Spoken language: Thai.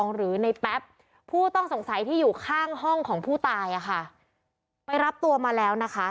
หรือในแป๊บผู้ต้องสงสัยที่อยู่ข้างห้องของผู้ตายอ่ะค่ะไปรับตัวมาแล้วนะคะ